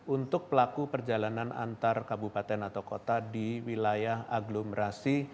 untuk pelaku perjalanan antar kabupaten atau kota di wilayah aglomerasi